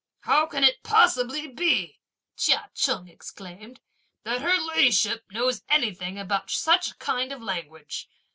"How can it possibly be," Chia Cheng exclaimed, "that her ladyship knows anything about such kind of language?